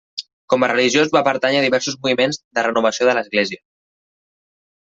Com a religiós va pertànyer a diversos moviments de renovació de l'Església.